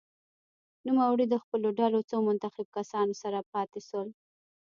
نوموړی د خپلو ډلو څو منتخب کسانو سره پاته شول.